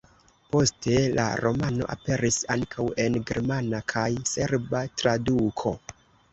Poste la romano aperis ankaŭ en germana kaj serba traduko.